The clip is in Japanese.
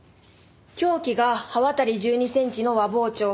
凶器が刃渡り１２センチの和包丁。